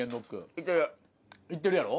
行ってるやろ。